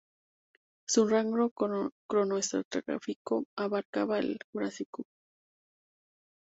Su rango cronoestratigráfico abarcaba el Jurásico.